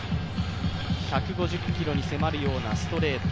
１５０キロに迫るようなストレート、。